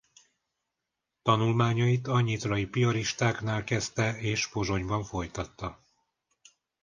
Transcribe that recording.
Tanulmányait a nyitrai piaristáknál kezdte és Pozsonyban folytatta.